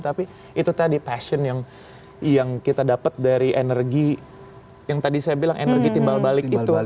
tapi itu tadi passion yang kita dapat dari energi yang tadi saya bilang energi timbal balik itu